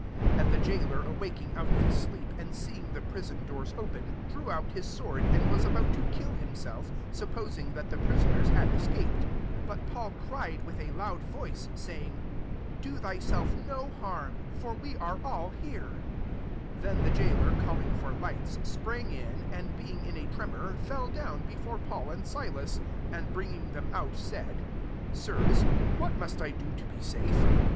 27 And the gaoler awakii^ out of his sleep, and seeing te prison doors open, drew out his sword, and was about ta* kill himself, supposing that t^ prisoners had escaped. 28 ikit Paul cried with a loud Toice^ saying, ^< Do thyself no ham \ ACTS XVII. ' 22d for we are all here." 29 Then the gaoler calling for lights, sprang in, and being in a tre mor, fell down before Paul and Silas; SO and bringing tliem out, said, " Sirs, what must I do to be safe